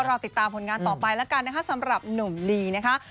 ก็ติดตามผลงานต่อไปแล้วกันสำหรับหนุ่มลี